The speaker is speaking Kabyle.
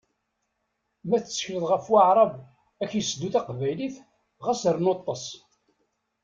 Ma tettekleḍ ɣef Waɛrab ad k-yesseddu taqbaylit, ɣas rnu ṭṭes!